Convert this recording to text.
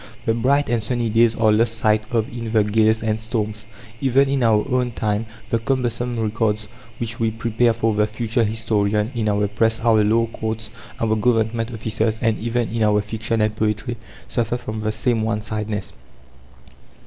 The bright and sunny days are lost sight of in the gales and storms. Even in our own time, the cumbersome records which we prepare for the future historian, in our Press, our law courts, our Government offices, and even in our fiction and poetry, suffer from the same one sidedness.